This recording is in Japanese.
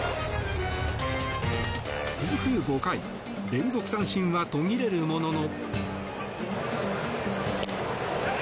続く５回連続三振は途切れるものの。